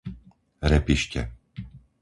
Repište